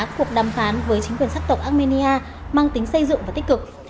cuộc đàm phán với chính quyền sắc tộc armenia mang tính xây dựng và tích cực